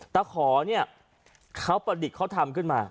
ตะขอเนี่ยเขาประดิษฐ์เขาทำขึ้นมา